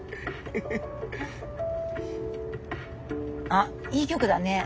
あっいい曲だね。